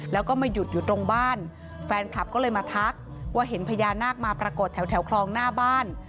แล้วก็มาหยุดอยู่ตรงบ้านแฟนคลับก็เลยมาทักว่าเห็นพญานาคมาปรากฏแถวคลองหน้าบ้าน